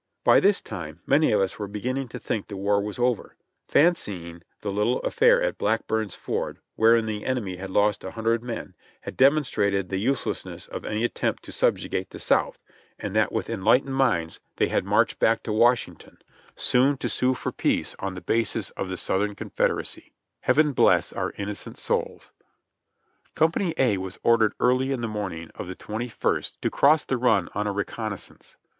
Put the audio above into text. By this time many of us were beginning to think the war was over, fancying the little affair at Blackburn's Ford, wherein the enemy had lost a hundred men, had demonstrated the uselessness of any attempt to subjugate the South, and that with enhghtened minds they had marched back to W^ashington, soon to sue for 62 JOHNNY REB AND BIIvLY YANK peace on the basis of the Southern Confederacy. Heaven bless our innocent souls! Company A was ordered early in the morning of the twenty first to cross the run on a reconnaissance.